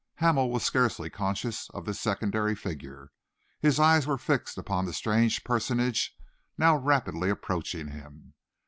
Hamel was scarcely conscious of this secondary figure. His eyes were fixed upon the strange personage now rapidly approaching him.